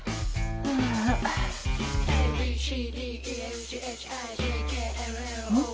うん？